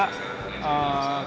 kemudian yang selanjutnya juga